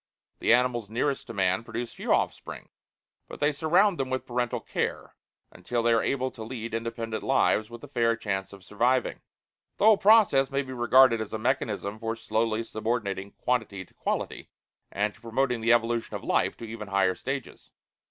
The animals nearest to man produce few offspring, but they surround them with parental care, until they are able to lead independent lives with a fair chance of surviving. The whole process may be regarded as a mechanism for slowly subordinating quantity to quality, and to promoting the evolution of life to even higher stages.